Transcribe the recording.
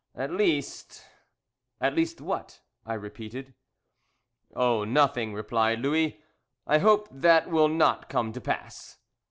At least " "At least what?" I repeated. "Oh, nothing," replied Louis. "I hope that will not come to pass."